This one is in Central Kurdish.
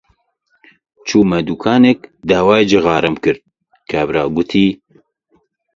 چوومە دووکانێک داوای جغارەم کرد، کابرا گوتی: